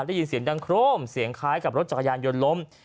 ได้ยินเสียงดังโครมเสียงคล้ายกับรถจักรยานยนต์ล้ม